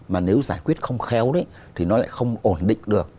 mà nếu giải quyết không khéo đấy thì nó lại không ổn định được